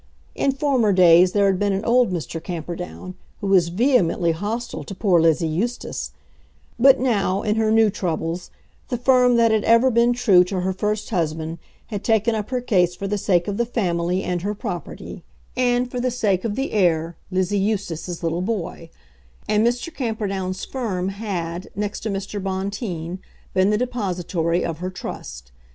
In former days there had been an old Mr. Camperdown, who was vehemently hostile to poor Lizzie Eustace; but now, in her new troubles, the firm that had ever been true to her first husband had taken up her case for the sake of the family and her property and for the sake of the heir, Lizzie Eustace's little boy; and Mr. Camperdown's firm had, next to Mr. Bonteen, been the depository of her trust.